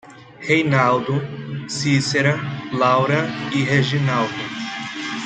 Reinaldo, Cícera, Laura e Reginaldo